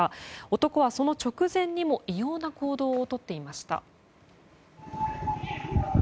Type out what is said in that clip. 男はその直前にも異様な行動をとっていました。